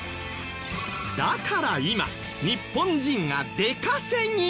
だから今日本人が出稼ぎに！